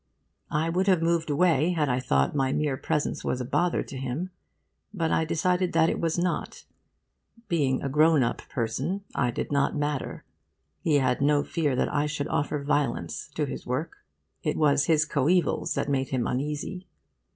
I would have moved away had I thought my mere presence was a bother to him; but I decided that it was not: being a grown up person, I did not matter; he had no fear that I should offer violence to his work. It was his coevals that made him uneasy.